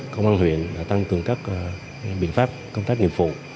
công an huyện đã tăng cường các biện pháp công tác nghiệp vụ